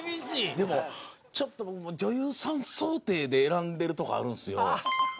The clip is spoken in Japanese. でもちょっと僕も女優さん想定で選んでるとこあるんすよ。